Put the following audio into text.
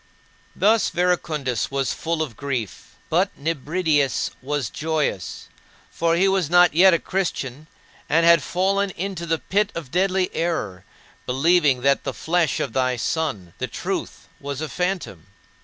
6. Thus Verecundus was full of grief; but Nebridius was joyous. For he was not yet a Christian, and had fallen into the pit of deadly error, believing that the flesh of thy Son, the Truth, was a phantom.